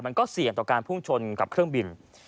มันก็เสี่ยงต่อการพุ่งชนกับเครื่องบิน